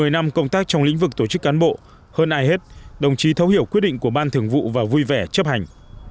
một mươi năm công tác trong lĩnh vực tổ chức cán bộ hơn ai hết đồng chí thấu hiểu quyết định của ban thường vụ và vui vẻ chấp hành